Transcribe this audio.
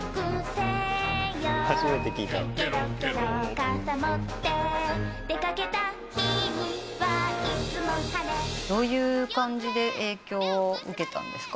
傘持って出かけた日にはいつも晴れ」どういう感じで影響を受けたんですか？